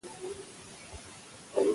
افغانستان کې زمرد د چاپېریال د تغیر نښه ده.